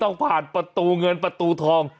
ต้องผ่านประตูเงินประตูทอง